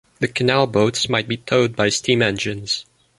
The canal boats might be towed by steam-engines.